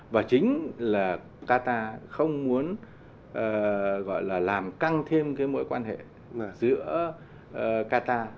và chính là qatar không muốn gọi là làm căng thêm cái mối quan hệ giữa qatar